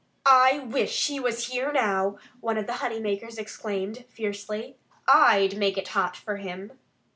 "I wish he was here now!" one of the honey makers exclaimed fiercely. "I'd make it hot for him!"